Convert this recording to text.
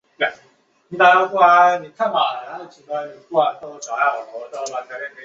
恩斯多夫是奥地利下奥地利州阿姆施泰滕县的一个市镇。